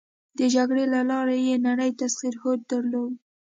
د جګړې له لارې یې نړی تسخیر هوډ درلود.